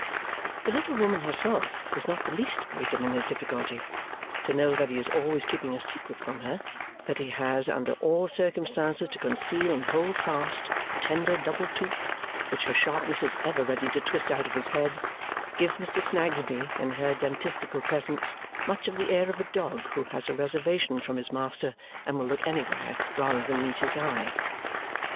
The little woman herself is not the least item in his difficulty. To know that he is always keeping a secret from her, that he has under all circumstances to conceal and hold fast a tender double tooth, which her sharpness is ever ready to twist out of his head, gives Mr. Snagsby, in her dentistical presence, much of the air of a dog who has a reservation from his master and will look anywhere rather than meet his eye.